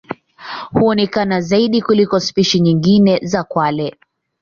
Huonekana zaidi kuliko spishi nyingine za kwale.